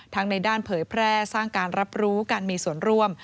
ในด้านเผยแพร่สร้างการรับรู้การมีส่วนร่วม